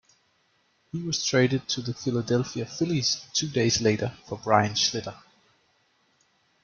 He was traded to the Philadelphia Phillies two days later for Brian Schlitter.